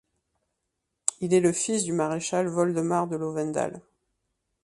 Il est le fils du Maréchal Woldemar de Lowendal.